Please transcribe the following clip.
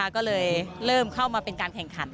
ก็เลยเริ่มเข้ามาเป็นการแข่งขัน